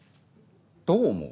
「どう思う」？